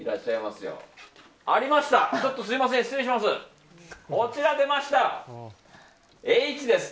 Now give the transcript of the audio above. すみません、失礼します。